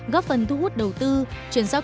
góp phần thu hút đầu tư chuyển giao